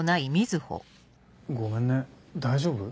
ごめんね大丈夫？